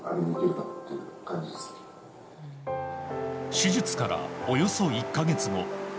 手術からおよそ１か月後。